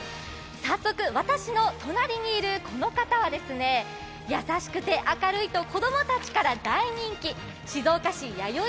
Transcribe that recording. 早速、私の隣にいるこの方は優しくて明るいと子供たちから大人気静岡市やよい